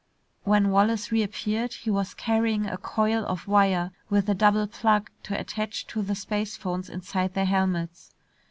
When Wallace reappeared, he was carrying a coil of wire with a double plug to attach to the spacephones inside their helmets.